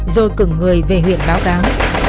rồi cứng người về huyện báo cáo